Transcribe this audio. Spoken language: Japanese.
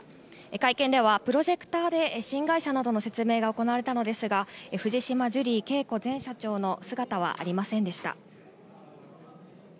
会見では、プロジェクターで新会社などの説明が行われたのですが、藤島ジュリー景子前社長の姿はありませんでした。